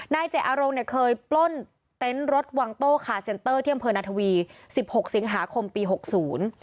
เจออารมณ์เนี่ยเคยปล้นเต็นต์รถวังโต้คาเซนเตอร์ที่อำเภอนาธวีสิบหกสิงหาคมปีหกศูนย์